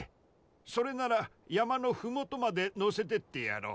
それなら山の麓まで乗せてってやろう。